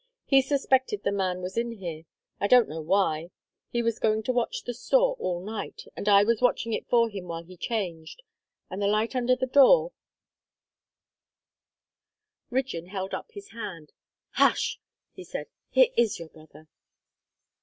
He suspected the man was in here I don't know why. He was going to watch the store all night, and I was watching it for him while he changed, and the light under the door " Rigden held up his hand. "Hush!" he said. "Here is your brother."